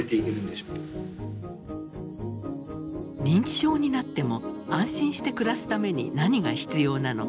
認知症になっても安心して暮らすために何が必要なのか。